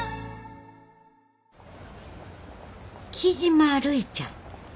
雉真るいちゃん。